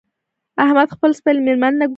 احمد خپل سپی له مېلمانه نه کوتې کړ.